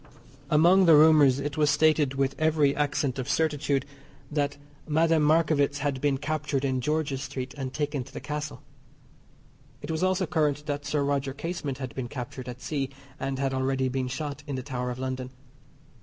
Among the rumours it was stated with every accent of certitude that Madame Markievicz had been captured in George's Street, and taken to the Castle. It was also current that Sir Roger Casement had been captured at sea and had already been shot in the Tower of London.